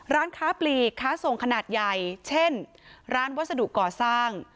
ร้านค้าปลีกค้าส่งขนาดใหญ่เช่นร้านวัสดุก่อสร้าง